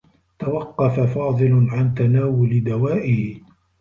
توقّف فاضل عن تناول دوائه.